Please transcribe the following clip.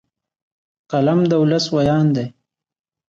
قلم د ولس ویاند دی